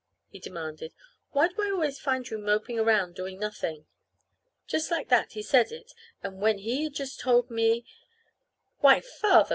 he demanded. "Why do I always find you moping around, doing nothing?" Just like that he said it; and when he had just told me "Why, Father!"